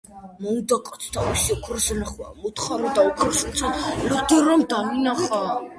მოუნდა კაცს თავისი ოქროს ნახვა, ამოთხარა და ოქროს ნაცვლად ლოდი რომ დაინახა,